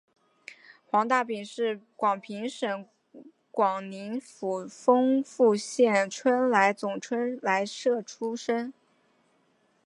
黄大秉是广平省广宁府丰富县春来总春来社出生。